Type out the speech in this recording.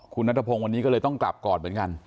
คุณนัทพงศ์วันนี้ก็เลยต้องกลับก่อนเหมือนกัน